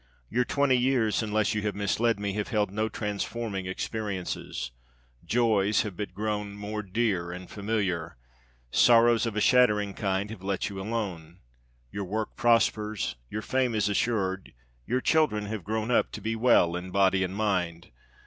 Your twenty years, unless you have misled me, have held no transforming experiences. Joys have but grown more dear and familiar. Sorrows, of a shattering kind, have let you alone. Your work prospers, your fame is assured, your children have grown up to be well in body and mind.